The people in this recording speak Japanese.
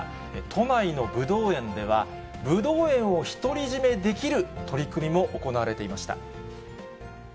都内のぶどう園では、ぶどう園を独り占めできる取り組みも行われていました。